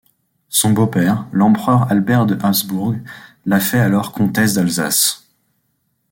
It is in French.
Son beau-père, l'empereur Albert de Habsbourg la fait alors comtesse d'Alsace.